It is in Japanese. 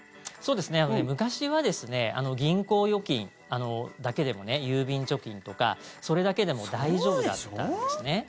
昔は銀行預金だけでも郵便貯金とかそれだけでも大丈夫だったんですね。